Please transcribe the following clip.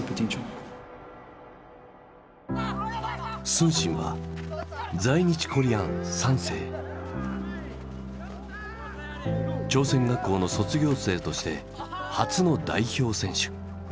承信は朝鮮学校の卒業生として初の代表選手。